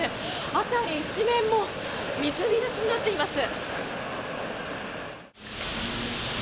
辺り一面も水浸しになっています。